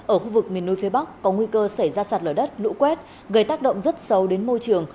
ở khu vực miền núi phía bắc có nguy cơ xảy ra sạt lở đất lũ quét gây tác động rất sâu đến môi trường